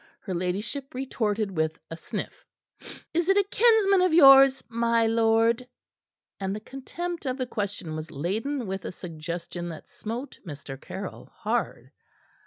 Her ladyship retorted with a sniff. "Is it a kinsman of yours, my lord?" and the contempt of the question was laden with a suggestion that smote Mr. Caryll hard.